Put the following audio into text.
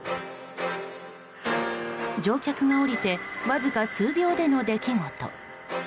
乗客が降りてわずか数秒での出来事。